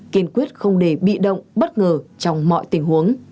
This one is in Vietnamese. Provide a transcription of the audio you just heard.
kiên quyết không để bị động bất ngờ trong mọi tình huống